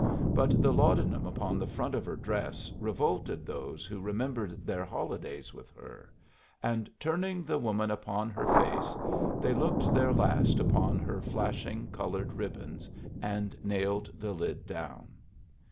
But the laudanum upon the front of her dress revolted those who remembered their holidays with her, and turning the woman upon her face, they looked their last upon her flashing, colored ribbons, and nailed the lid down.